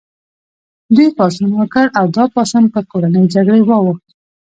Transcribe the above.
دوی پاڅون وکړ او دا پاڅون پر کورنۍ جګړې واوښت.